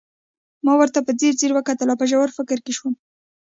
ما ورته په ځیر ځير وکتل او په ژور فکر کې شوم